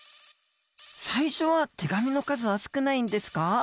最初は手紙の数は少ないんですか。